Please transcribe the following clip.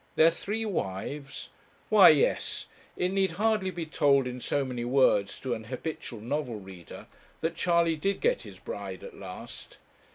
Their three wives? Why, yes. It need hardly be told in so many words to an habitual novel reader that Charley did get his bride at last.